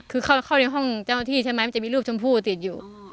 คือเข้าในห้องเจ้าหน้าที่ใช่ไหมมันจะมีรูปชมพู่ติดอยู่